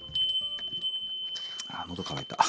あ喉渇いた。